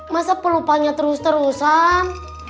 masa pelupanya terus terusan